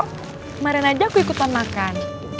kemarin aja aku ikutan makan